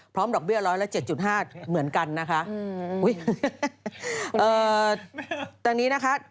พร้อมหลอกเบี้ยร้อยละ๗๕เหมือนกันนะคะ